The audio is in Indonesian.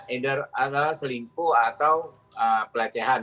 ender adalah selingkuh atau pelecehan